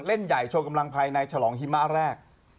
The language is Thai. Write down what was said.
เล่นใหญ่โชว์กำลังภายในฉลองหิมะแรก